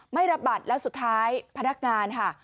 ไม่รับบัตรแล้วสุดท้ายพนักงานค่ะ